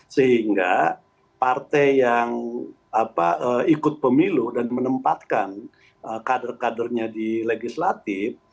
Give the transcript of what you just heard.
sehingga partai yang ikut pemilu dan menempatkan kader kadernya di legislatif